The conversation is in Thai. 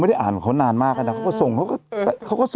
มีอีกไหมไป